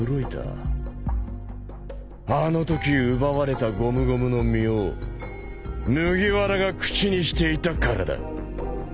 あのとき奪われたゴムゴムの実を麦わらが口にしていたからだ。